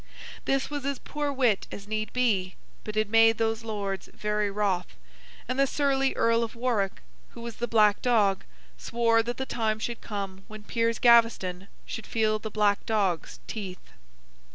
This was as poor wit as need be, but it made those Lords very wroth; and the surly Earl of Warwick, who was the black dog, swore that the time should come when Piers Gaveston should feel the black dog's teeth.